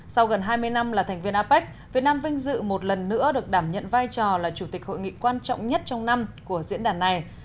sau gần hai mươi năm là thành viên apec việt nam vinh dự một lần nữa được đảm nhận vai trò là chủ tịch hội nghị quan trọng nhất trong năm của diễn đàn này